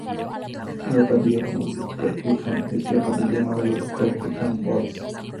Una pandilla famosa de Peckham es la pandilla llamada los "Peckham Boys".